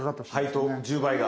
配当１０倍が。